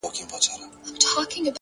نیک عمل له یادونو اوږد عمر لري؛